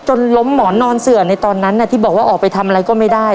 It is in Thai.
ล้มหมอนนอนเสือในตอนนั้นที่บอกว่าออกไปทำอะไรก็ไม่ได้